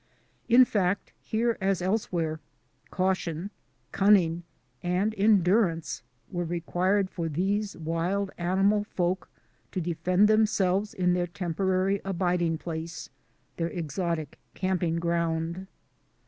In fact, here as else where, caution, cunning, and endurance were re quired for these wild animal folk to defend them selves in their temporary abiding place — their exotic camping ground.